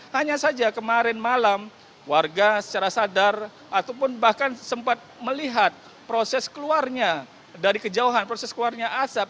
hanya saja kemarin malam warga secara sadar ataupun bahkan sempat melihat proses keluarnya dari kejauhan proses keluarnya asap